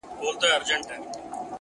لا به تر کله دا لمبې بلېږي-